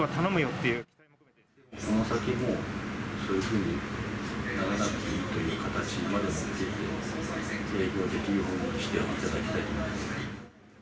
この先、もうそういうふうにならなくていいという形まで持っていって、営業できるようにしていただきたいと思います。